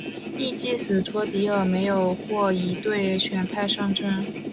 翌季史托迪尔没有获一队选派上阵。